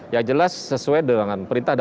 yang jelas sesuai dengan perintahnya